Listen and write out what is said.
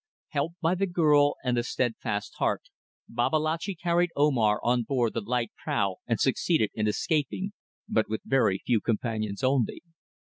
Helped by the girl with the steadfast heart, Babalatchi carried Omar on board the light prau and succeeded in escaping, but with very few companions only.